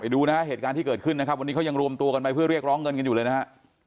ดูนะฮะเหตุการณ์ที่เกิดขึ้นนะครับวันนี้เขายังรวมตัวกันไปเพื่อเรียกร้องเงินกันอยู่เลยนะฮะ